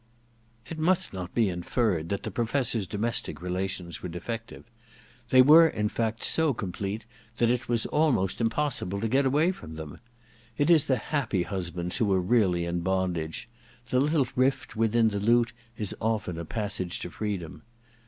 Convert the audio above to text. It must not be inferred that the Professor's I I THE DESCENT OF MAN 5 domestic relations were defective : they were in fact so complete that it was almost impossible to get away from them. It is the happy husbands who are really in bondage : the little rift within the lute is often a passage to freedom.